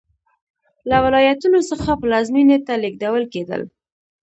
له ولایتونو څخه پلازمېنې ته لېږدول کېدل.